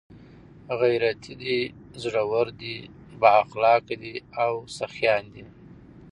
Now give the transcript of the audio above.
، غيرتي دي، زړور دي، بااخلاقه دي او سخيان دي